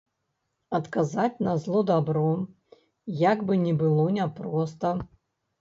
Адказаць на зло дабром, як бы ні было няпроста.